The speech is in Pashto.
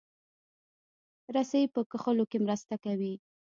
رسۍ په کښلو کې مرسته کوي.